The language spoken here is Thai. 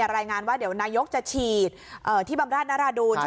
รายงานว่าเดี๋ยวนายกจะฉีดที่บำราชนราดูล